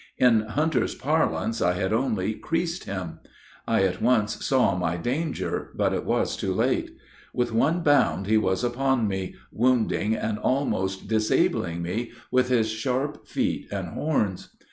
In hunters' parlance, I had only 'creased him.' I at once saw my danger, but it was too late. With one bound, he was upon me, wounding and almost disabling me with his sharp feet and horns.